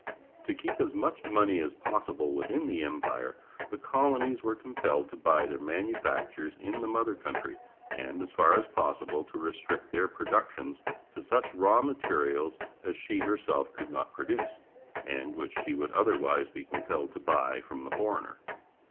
To keep as much money as possible within the Empire the colonies were compelled to buy their manufactures in the mother country, and as far as possible to restrict their productions to such raw materials as she herself could not produce, and which she would otherwise be compelled to buy from the foreigner.